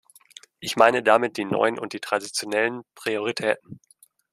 Ich meine damit die neuen und die traditionellen Prioritäten.